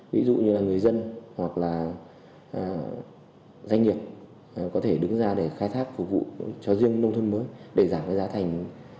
ví dụ như là người dân hoặc là doanh nghiệp có thể đứng ra để khai thác phục vụ cho riêng nông thôn mới để giảm cái giá thành